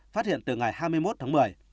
phát hiện từ ngày hai mươi một tháng một mươi